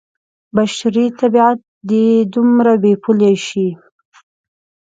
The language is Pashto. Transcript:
بشري طبعیت دې دومره بې پولې شي.